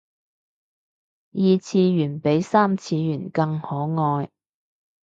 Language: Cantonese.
二次元比三次元更可愛